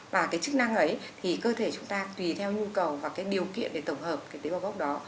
và cái chức năng ấy thì cơ thể chúng ta tùy theo nhu cầu và cái điều kiện để tổng hợp cái tế bào gốc đó